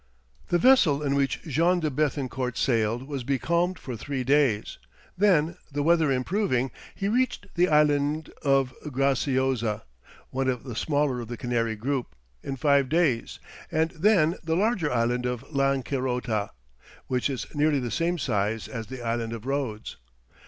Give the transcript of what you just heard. The vessel in which Jean de Béthencourt sailed was becalmed for three days, then, the weather improving, he reached the island of Graziosa, one of the smaller of the Canary group, in five days, and then the larger island of Lancerota, which is nearly the same size as the island of Rhodes.